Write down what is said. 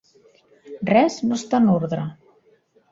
Res no està en ordre.